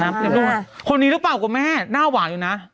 คนนี้หรือเปล่ากับแม่หน้าหวานอยู่นะ